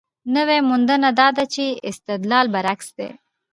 نوې موندنه دا ده چې استدلال برعکس دی.